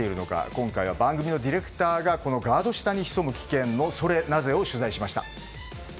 今回はディレクターが高架下に潜む危険のソレなぜ？を取材しました。